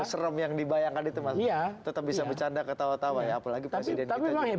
serem yang dibayangkan itu masih tetap bisa bercanda ketawa tawa ya apalagi tapi tapi